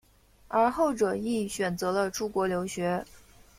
而后者亦选择了出国留学。